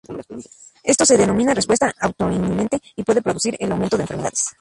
Esto se denomina respuesta autoinmune y puede producir el aumento de enfermedades.